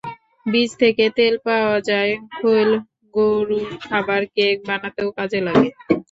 বীজ থেকে তেল পাওয়া যায়, খৈল গরুর খাবার, কেক বানাতেও কাজে লাগে।